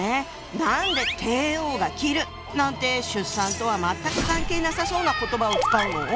何で「帝王が切る」なんて出産とは全く関係なさそうな言葉を使うの？